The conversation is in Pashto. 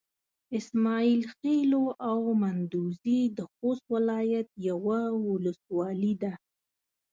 اسماعيل خېلو او مندوزي د خوست ولايت يوه ولسوالي ده.